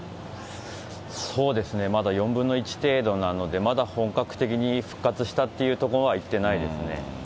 そうですね、まだ４分の１程度なので、まだ本格的に復活したっていうところはいってないですね。